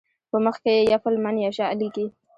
په مخ کې یفل من یشاء لیکي.